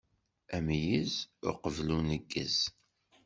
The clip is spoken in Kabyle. Ameyyez uqbel uneggez.